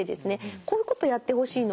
こういうことやってほしいの。